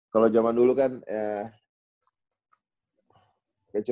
kalau zaman dulu kan ya